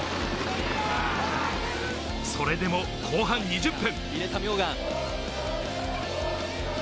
それでも後半２０分。